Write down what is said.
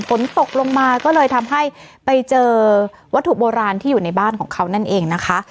ฝนตกลงมาก็เลยทำให้ไปเจอวัตถุโบราณที่อยู่ในบ้านของเขานั่นเองนะคะ